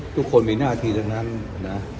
ทุกคนมีหน้าที่ทั้งนั้นนะ